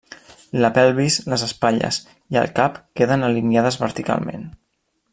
La pelvis, les espatlles i el cap queden alineades verticalment.